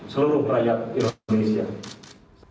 seluruh prajurit dan keluarga besar tni